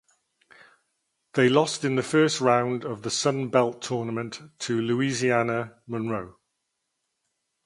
They lost in the first round of the Sun Belt Tournament to Louisiana–Monroe.